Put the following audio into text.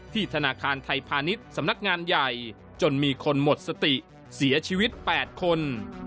ธนาคารไทยพาณิชย์สำนักงานใหญ่จนมีคนหมดสติเสียชีวิต๘คน